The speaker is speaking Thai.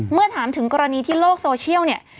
เมื่อถามถึงกรณีที่โลกโซเชียลเนี่ย